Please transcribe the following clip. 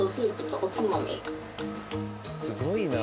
すごいなあ。